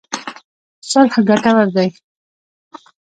صلح ګټور دی.